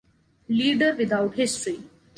Leader without history